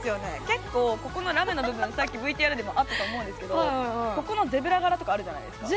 結構ここのラメの部分さっきＶＴＲでもあったと思うんですけどここのゼブラ柄とかあるじゃないですか。